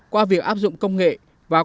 qua việc áp dụng công nghệ vào các cơ hội